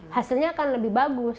hasilnya akan lebih bagus